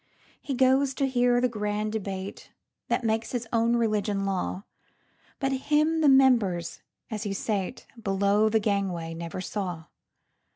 He goes to hear the grand debateThat makes his own religion law; But him the members, as he sateBelow the gangway, never saw.